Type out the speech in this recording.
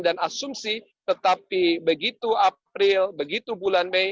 dan asumsi tetapi begitu april begitu bulan